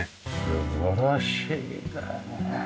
素晴らしいねえ。